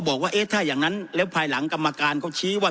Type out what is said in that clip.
บอกว่าเอ๊ะถ้าอย่างนั้นแล้วภายหลังกรรมการเขาชี้ว่า